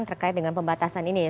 terkait dengan pembatasan ini ya